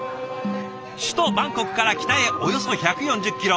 首都バンコクから北へおよそ１４０キロ。